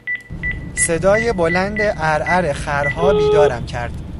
صدای بلند عرعر خرها بیدارم کرد.